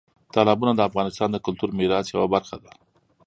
تالابونه د افغانستان د کلتوري میراث یوه برخه ده.